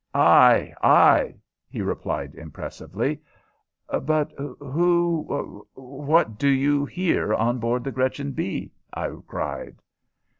"Ay, I!" he replied, impressively. "But who what do you here on board the Gretchen B.?" I cried.